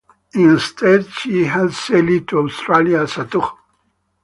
Instead she had sailed to Australia as a tug.